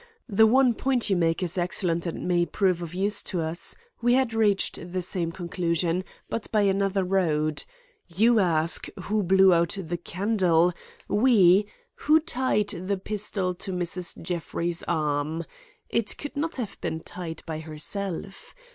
The one point you make is excellent and may prove of use to us. We had reached the same conclusion, but by another road. You ask, 'Who blew out the candle?' We, 'Who tied the pistol to Mrs. Jeffrey's arm?' It could not have been tied by herself.